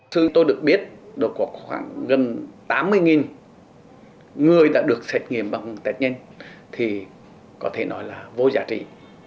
thứ tôi được biết khoảng gần tám mươi người đã được xét nghiệm bằng test nhanh thì có thể nói là vô giá trị